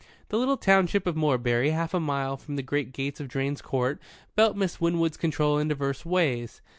The little township of Morebury half a mile from the great gates of Drane's Court felt Miss Winwood's control in diverse ways.